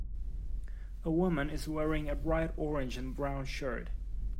A woman is wearing a bright orange and brown shirt.